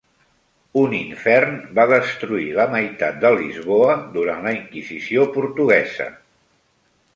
Un infern va destruir la meitat de Lisboa durant la inquisició portuguesa.